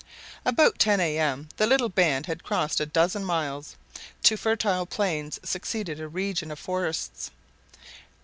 About ten A.M. the little band had crossed a dozen miles. To fertile plains succeeded a region of forests.